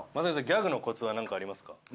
雅紀さんギャグのコツはなんかありますか？